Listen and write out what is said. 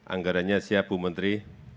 anggarannya siap bu menteri